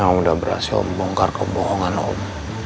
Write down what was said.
yang sudah berhasil membongkar kebohongan om